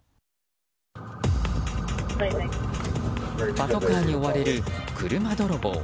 パトカーに追われる車泥棒。